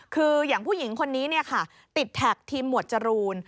คืออย่างผู้หญิงคนนี้ติดแท็กทีมหมวดจรูน